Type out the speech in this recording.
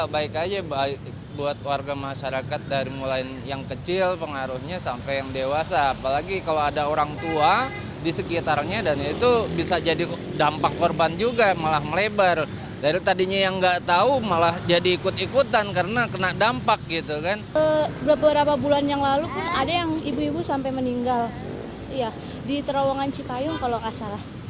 berapa bulan yang lalu pun ada yang ibu ibu sampai meninggal di terowongan cipayung kalau tidak salah